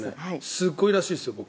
すごいらしいですよ、僕。